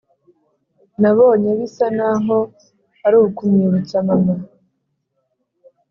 nabonye bisa naho arukumwibutsa mama